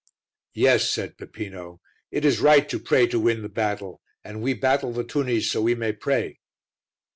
"Yes," said Peppino, "it is right to pray to win the battle, and we battle the tunnies so we may pray."